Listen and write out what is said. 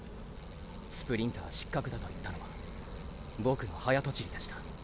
スプリンター失格だと言ったのはボクの早とちりでした。